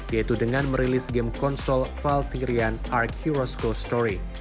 yaitu dengan merilis game konsol valtryan arc heroes ghost story